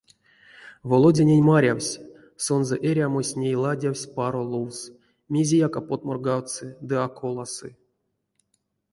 Володянень марявсь: сонзэ эрямось ней ладявсь паро лувс, мезеяк а потмургавтсы ды а коласы.